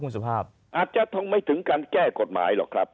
สุภาพอาจจะทงไม่ถึงการแก้กฎหมายหรอกครับ